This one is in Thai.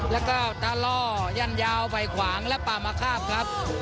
แล้วก็ตาล่อยันยาวใบขวางและป่ามะคาบครับ